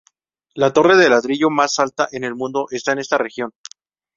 La torre de ladrillo más alta en el mundo está en esta región.